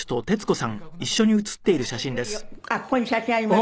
あっここに写真あります。